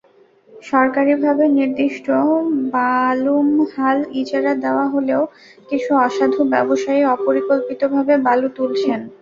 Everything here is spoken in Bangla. সরকারিভাবে নির্দিষ্ট বালুমহাল ইজারা দেওয়া হলেও কিছু অসাধু ব্যবসায়ী অপরিকল্পিতভাবে বালু তুলছেন।